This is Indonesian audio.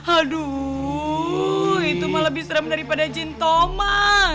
aduuuh itu mah lebih serem daripada jin tomang